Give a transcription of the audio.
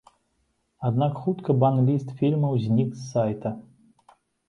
Аднак хутка бан-ліст фільмаў знік з сайта.